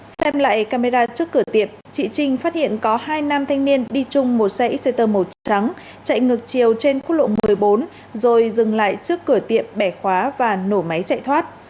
xem lại camera trước cửa tiệm chị trinh phát hiện có hai nam thanh niên đi chung một xe ít cter màu trắng chạy ngược chiều trên quốc lộ một mươi bốn rồi dừng lại trước cửa tiệm bẻ khóa và nổ máy chạy thoát